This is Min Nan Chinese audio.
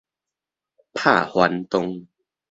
拍還動